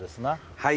はい